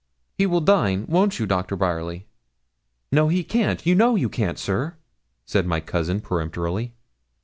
'He will dine. Won't you, Doctor Bryerly?' 'No; he can't. You know you can't, sir,' said my cousin, peremptorily.